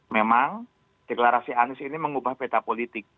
memang deklarasi anies ini mengubah peta politik